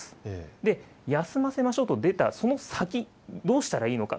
で、休ませましょうと出たその先、どうしたらいいのか。